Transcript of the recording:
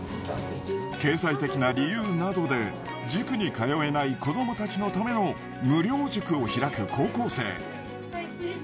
経済的な理由などで塾に通えない子供たちのための無料塾を開く高校生。